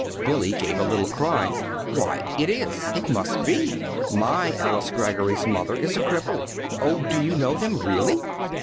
Billy gave a little cry. "Why, it is it must be! My Alice Greggory's mother is a cripple. Oh, do you know them, really?"